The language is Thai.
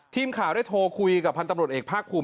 ทีมข่าวได้โทรคุยกับพันธุ์ตำรวจเอกภาคภูมิ